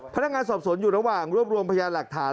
พนักงานสอบสวนอยู่ระหว่างรวบรวมพยานหลักฐาน